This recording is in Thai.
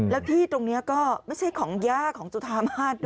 แล้วที่ตรงนี้ก็ไม่ใช่ของย่าของจุธามาสด้วย